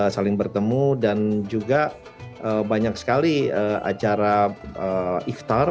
saling bertemu dan juga banyak sekali acara iftar